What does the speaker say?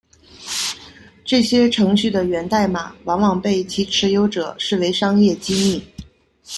这些程序的源代码往往被其持有者视为商业机密。